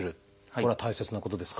これは大切なことですか？